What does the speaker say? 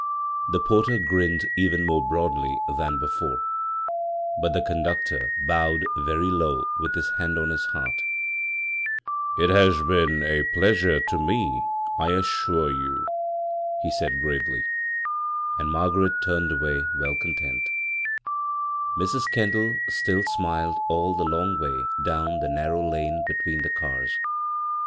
The porter grinned even more broadly than befcHe, but the conductor bowed very low with bis hand on his heart " It has been a pleasure to me, I assure you," he said gpuvely ; and Mai^raret turned away, well content Mrs. Kendall still smiled all the long way down the narrow lane between the cars.